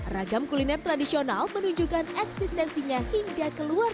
ragam kuliner tradisional menunjukkan eksistensinya hingga ke luar daerah